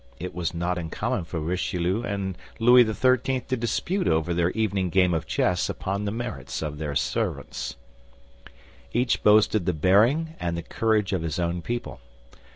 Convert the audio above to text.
It was not uncommon for Richelieu and Louis XIII. to dispute over their evening game of chess upon the merits of their servants. Each boasted the bearing and the courage of his own people.